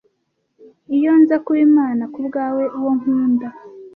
iyo nza kuba imana kubwawe uwo nkunda